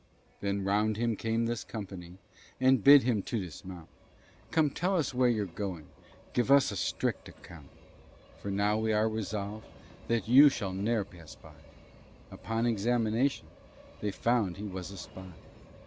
Then round him came this company, And bid him to dismount; "Come, tell us where you're going, Give us a strict account; For we are now resolvèd That you shall ne'er pass by." Upon examination They found he was a spy.